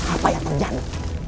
apa yang terjadi